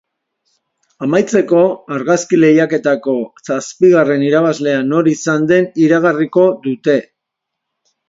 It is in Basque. Amaitzeko, argazki lehiaketako zazpigarren irabazlea nor izan den iragarriko dute.